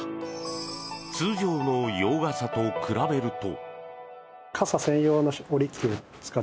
通常の洋傘と比べると。